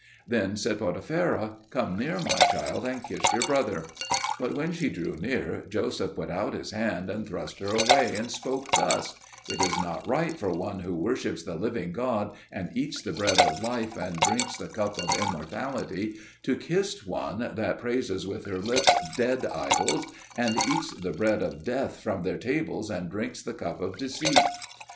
Then said Potipherah, "Come near, my child, and kiss your brother." But when she drew near, Joseph put out his hand and thrust her away, and spoke thus: "It is not right for one who worships the living God, and eats the bread of life and drinks the cup of immortality, to kiss one that praises with her lips dead idols, and eats the bread of death from their tables and drinks the cup of deceit."